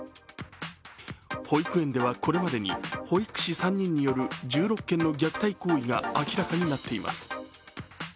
保育園では、これまでに保育士３人による１６件の虐待行為が明らかになっています。